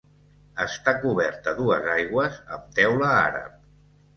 Està cobert a dues aigües amb teula àrab.